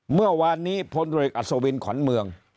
เมื่อวานนี้พลเรือกอัศวินขวัญเมือง